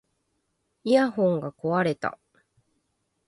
イヤホンが壊れた